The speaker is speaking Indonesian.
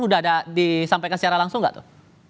udah ada disampaikan secara langsung gak tuh